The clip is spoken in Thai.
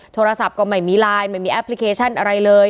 โทรศัพท์ก็ไม่มีไลน์ไม่มีแอปพลิเคชันอะไรเลย